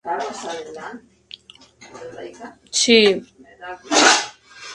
La historia habla de un hombre pobre que encuentra un "tanuki" en una trampa.